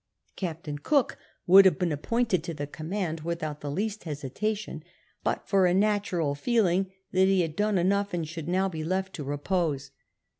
Captain Cook would have been appointed to the command without the least liesitation, but for a natural feeling that he had done enough and should now be left to repose.